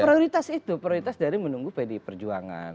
prioritas itu prioritas dari menunggu pdi perjuangan